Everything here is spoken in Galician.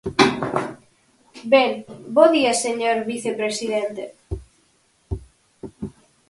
Ben, bo día, señor vicepresidente.